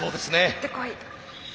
いってこい。